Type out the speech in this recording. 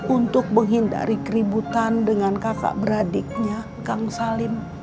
untuk menghindari keributan dengan kakak beradiknya kang salim